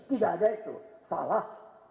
tidak ada itu salah